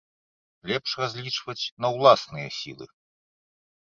Лепш разлічваць на ўласныя сілы.